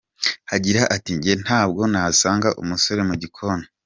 Agira ati “Jye ntabwo nasanga umusore mu gikoni.